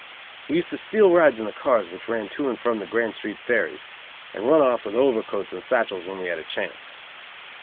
We used to steal rides in the cars which ran to and from the Grand Street ferries; and run off with overcoats and satchels when we had a chance.